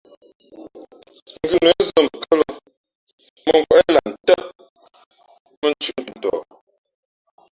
Ngʉnə̌ nzᾱ mbαkάlᾱ mᾱ nkwéʼ lah ntάʼ mᾱnthʉ̄ʼ ntʉntɔ.